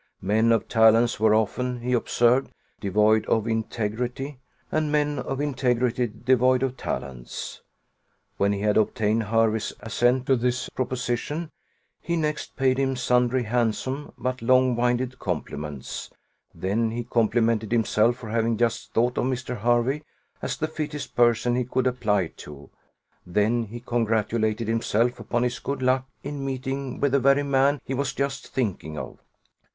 Men of talents were often, he observed, devoid of integrity, and men of integrity devoid of talents. When he had obtained Hervey's assent to this proposition, he next paid him sundry handsome, but long winded compliments: then he complimented himself for having just thought of Mr. Hervey as the fittest person he could apply to: then he congratulated himself upon his good luck in meeting with the very man he was just thinking of.